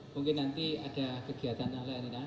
mungkin nanti ada kegiatan lain lain